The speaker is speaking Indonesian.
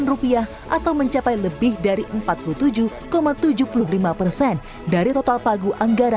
anggaran pemulihan ekonomi nasional di sejumlah sektor rencananya akan dilanjutkan pada dua ribu dua puluh satu